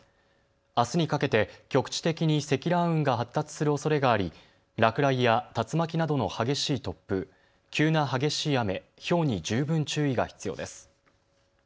あすにかけて局地的に積乱雲が発達するおそれがあり落雷や竜巻などの激しい突風、急な激しい雨、ひょうに十分注意が必要です。